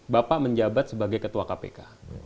bapak menjabat sebagai ketua kpk